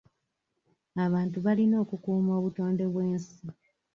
Abantu balina okukuuma obutonde bw'ensi.